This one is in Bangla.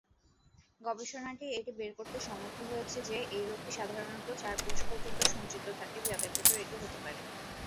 গবেষণাটি এটি বের করতে সমর্থ হয়েছে যে এই রোগটি সাধারনত চার পুরুষ পর্যন্ত সঞ্চিত থাকে যাদের ভেতর এটি হতে পারে।